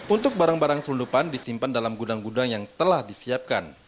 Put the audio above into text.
untuk barang barang selundupan disimpan dalam gudang gudang yang telah disiapkan